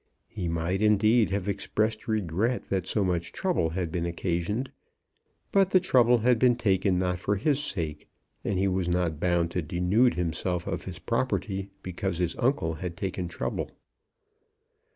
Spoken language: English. He might, indeed, have expressed regret that so much trouble had been occasioned; but the trouble had been taken not for his sake, and he was not bound to denude himself of his property because his uncle had taken trouble.